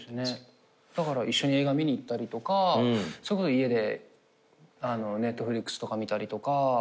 だから一緒に映画見に行ったりとか家でＮｅｔｆｌｉｘとか見たりとか。